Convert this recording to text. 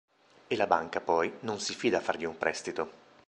E la banca poi, non si fida a fargli un prestito.